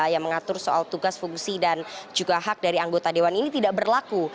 yang mengatur soal tugas fungsi dan juga hak dari anggota dewan ini tidak berlaku